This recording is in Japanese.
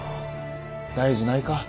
大事ないか？